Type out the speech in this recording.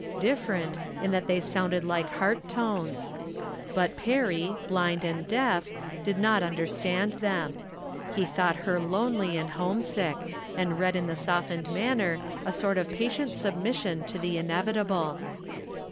Different, in that they sounded like heart tones. But Perry, blind and deaf, did not understand them. He thought her lonely and homesick, and read in the softened manner a sort of patient submission to the inevitable.